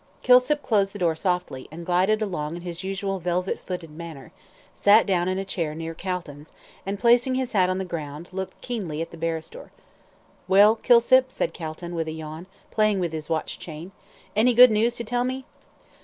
Kilsip closed the door softly, and gliding along in his usual velvet footed manner, sat down in a chair near Calton's, and placing his hat on the ground, looked keenly at the barrister. "Well, Kilsip," said Calton, with a yawn, playing with his watch chain, "any good news to tell me?"